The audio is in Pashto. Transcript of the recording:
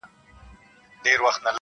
• د پرواز فکر یې نه وو نور په سر کي -